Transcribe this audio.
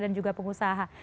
dan juga pengusaha